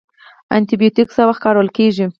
انټي بیوټیک څه وخت کارول کیږي؟